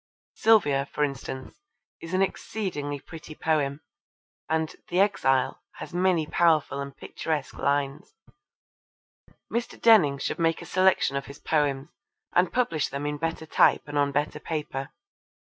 Sylvia, for instance, is an exceedingly pretty poem, and The Exile has many powerful and picturesque lines. Mr. Denning should make a selection of his poems and publish them in better type and on better paper.